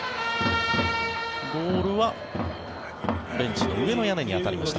ボールはベンチの上の屋根に当たりました。